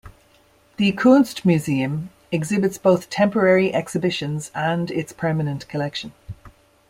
The Kunstmuseum exhibits both temporary exhibitions and its permanent collection.